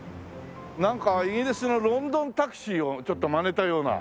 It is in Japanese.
なんかイギリスのロンドンタクシーをちょっとまねたような。